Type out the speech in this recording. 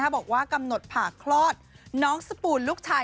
บอกว่ากำหนดผ่าคลอดน้องสปูนลูกชาย